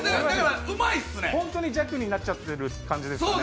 ホントに弱になっちゃってる感じですかね？